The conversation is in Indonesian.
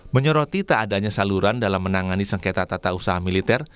menyoroti tak adanya saluran dalam menangani sengketa tata usaha militer